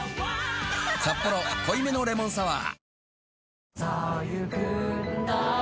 「サッポロ濃いめのレモンサワー」